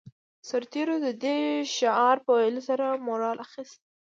سرتېرو د دې شعار په ويلو سره مورال اخیست